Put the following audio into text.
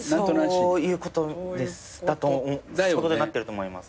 そういうことですだとなってると思います。